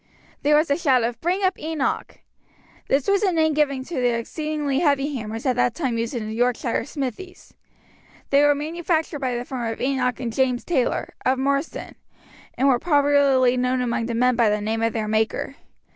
There was a shout of "Bring up Enoch!" This was a name given to the exceedingly heavy hammers at that time used in the Yorkshire smithies. They were manufactured by the firm of Enoch & James Taylor, of Marsden, and were popularly known among the men by the name of their maker.